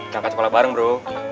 ke angkat sekolah bareng bro